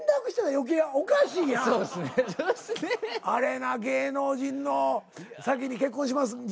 あれな芸能人の先に「結婚します。